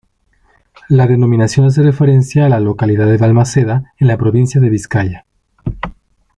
La denominación hace referencia a la localidad de Valmaseda, en la provincia de Vizcaya.